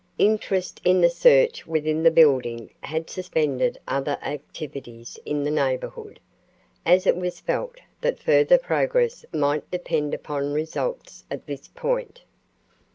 Interest in the search within the building had suspended other activities in the neighborhood, as it was felt that further progress must depend upon results at this point.